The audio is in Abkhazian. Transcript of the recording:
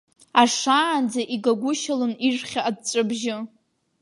Аашаанӡа игагәышьалон ижәхьа аҵәҵәабжьы.